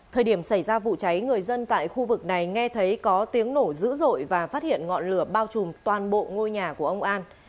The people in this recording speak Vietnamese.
thời điểm xảy ra vụ cháy người dân tại khu vực này nghe thấy có tiếng nổ dữ dội và phát hiện ngọn lửa bao trùm toàn bộ ngôi nhà của ông an